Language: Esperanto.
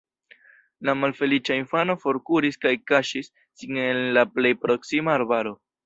La malfeliĉa infano forkuris kaj kaŝis sin en la plej proksima arbaro.